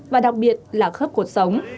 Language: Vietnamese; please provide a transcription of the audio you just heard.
và đặc biệt là khớp cột sống